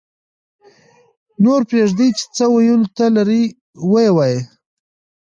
-نور پرېږدئ چې څه ویلو ته لري ویې وایي